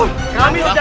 jaga dewa batara